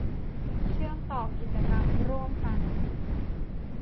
เชื่อมต่อกิจกรรมร่วมกัน